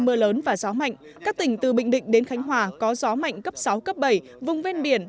mưa lớn và gió mạnh các tỉnh từ bình định đến khánh hòa có gió mạnh cấp sáu cấp bảy vùng ven biển